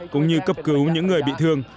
cũng như cập cứu những người bị thương